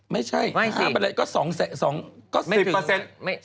ไม่ใช่๕เปอร์เซ็นต์ก็๒เปอร์เซ็นต์ก็๑๐เปอร์เซ็นต์ก็๑๐เปอร์เซ็นต์